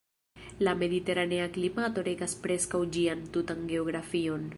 La mediteranea klimato regas preskaŭ ĝian tutan geografion.